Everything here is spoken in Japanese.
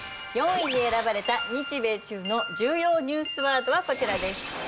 ４位に選ばれた日米中の重要ニュースワードはこちらです。